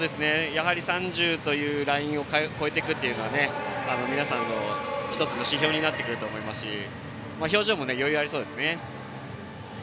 やはり３０というラインを超えていくというのは皆さんの１つの指標になってくると思いますし表情も余裕がありそうですね。